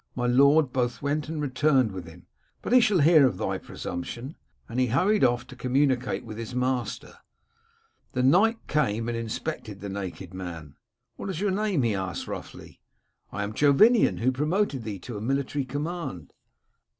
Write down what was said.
My lord both went and returned with him. But he shall hear of thy presumption.* And he hurried off to communicate with his master. The knight came and inspected 248 King Robert of Sicily the naked man. * What is your name ?' he asked roughly. "* I am Jovinian, who promoted thee to a military command.'